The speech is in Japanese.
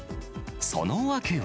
その訳は。